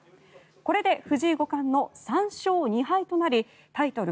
これで藤井五冠の３勝２敗となりタイトル